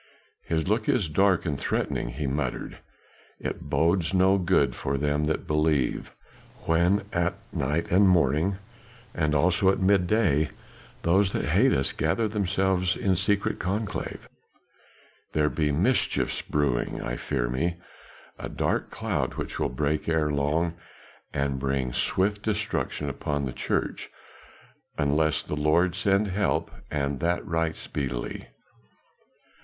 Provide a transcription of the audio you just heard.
"His look is dark and threatening," he muttered, "it bodes no good for them that believe, when at night and at morning and also at midday those that hate us gather themselves in secret conclave. There be mischiefs brewing, I fear me; a dark cloud which will break ere long and bring swift destruction upon the church unless the Lord send help, and that right speedily."